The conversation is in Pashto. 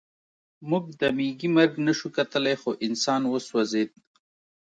موږ د مېږي مرګ نشو کتلی خو انسان وسوځېد